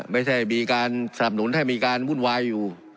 ไม่ใช่มีการสนับหนุนได้มีการบุ่นวายอยู่